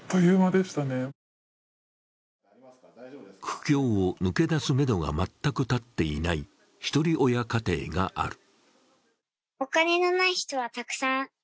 苦境を抜け出すめどが全く立っていない、ひとり親家庭がある。